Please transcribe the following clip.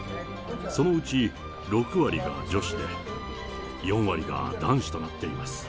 そのうち６割が女子で、４割が男子となっています。